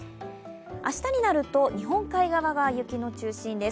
明日になると日本海側が雪の中心です。